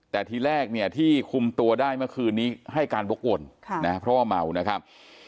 แต่ทีแรกเนี่ยที่คุมตัวได้เมื่อคืนนี้ให้การวกวนเพราะว่าเมานะครับ